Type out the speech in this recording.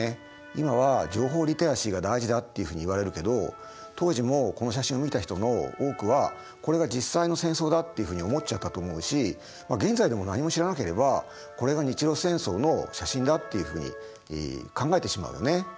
今は情報リテラシーが大事だっていうふうに言われるけど当時もこの写真を見た人の多くはこれが実際の戦争だっていうふうに思っちゃったと思うし現在でも何も知らなければこれが日露戦争の写真だっていうふうに考えてしまうよね。